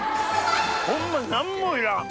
ホンマに何もいらん。